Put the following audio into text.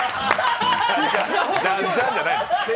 ジャンジャンじゃないの。